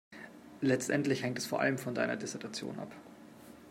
Letztendlich hängt es vor allem von deiner Dissertation ab.